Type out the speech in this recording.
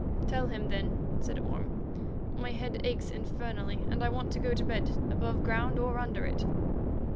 "Tell him, then," said Orme. "My head aches infernally, and I want to go to bed, above ground or under it."